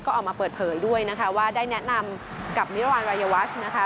ก็ออกมาเปิดเผยด้วยนะคะว่าได้แนะนำกับมิรวรรณรายวัชนะคะ